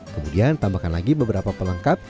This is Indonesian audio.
kemudian tambahkan lagi beberapa pelengkap